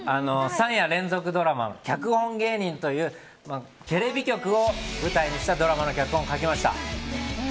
３夜連続ドラマの「脚本芸人」というテレビ局を舞台にしたドラマの脚本を書きました。